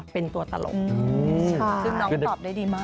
เป็นตัวตลก